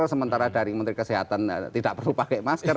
sementara dari menteri kesehatan tidak perlu pakai masker